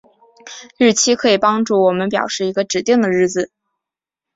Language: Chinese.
日期可以帮助我们表示一个指定的日子。